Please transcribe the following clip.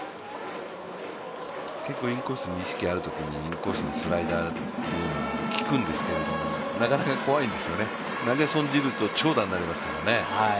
結構、インコースの意識があるときにインコースのスライダーっていうのは効くんですけど、なかなか怖いんですよね、投げ損じると長打になりますからね。